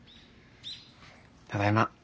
ただいま。